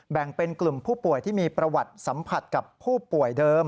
แบ่งเป็นกลุ่มผู้ป่วยที่มีประวัติสัมผัสกับผู้ป่วยเดิม